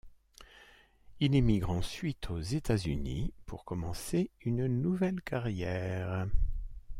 Il émigre ensuite aux États-Unis pour commencer une nouvelle carrière.